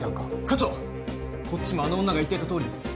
課長こっちもあの女が言ってたとおりです